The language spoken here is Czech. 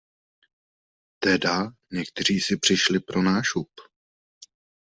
Teda, někteří si přišli pro nášup.